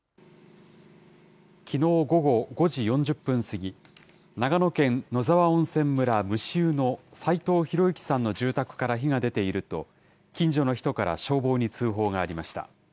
きのう午後５時４０分過ぎ、長野県野沢温泉村虫生の齋藤博幸さんの住宅から火が出ていると、近所の人から消防に通報がありました。